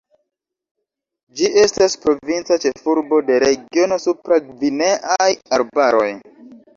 Ĝi estas provinca ĉefurbo de regiono Supra-Gvineaj arbaroj.